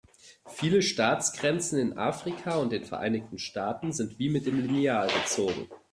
Viele Staatsgrenzen in Afrika und den Vereinigten Staaten sind wie mit dem Lineal gezogen.